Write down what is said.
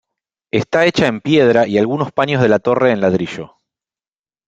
Está hecha en piedra y algunos paños de la torre en ladrillo.